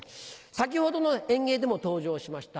先ほどの演芸でも登場しました